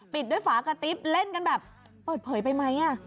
ปิดด้วยฝากระติ๊บเล่นกันแบบเปิดเผยไปไหม